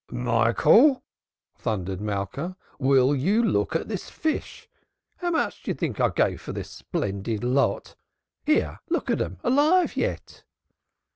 "Michael!" thundered Malka. "Will you look at this fish? How much do you think I gave for this splendid lot? here, look at 'em, alive yet."